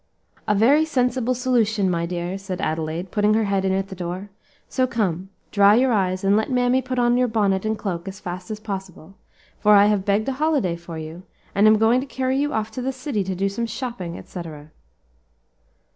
"A very sensible resolution, my dear," said Adelaide, putting her head in at the door; "so come, dry your eyes, and let mammy put on your bonnet and cloak as fast as possible, for I have begged a holiday for you, and am going to carry you off to the city to do some shopping, et cetera."